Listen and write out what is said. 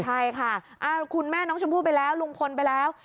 ใช่ค่ะคุณแม่น้องชมพู่ไปแล้วลุงพลไปแล้ว